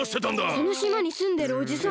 このしまにすんでるおじさん！